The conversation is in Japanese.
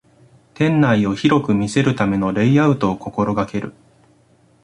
店内を広く見せるためのレイアウトを心がける